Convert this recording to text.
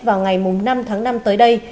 vào ngày năm tháng năm tới đây